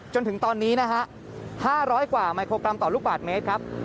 จนถึงตอนนี้นะฮะ๕๐๐กว่าไมโครกรัมต่อลูกบาทเมตรครับ